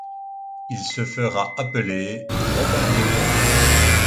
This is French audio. Il se fera appeler Robin des Bois.